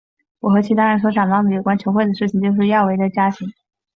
我和其他人所想到有关球会的事情就是亚维的家庭。